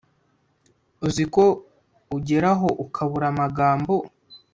uziko ugeraho ukabura amagambo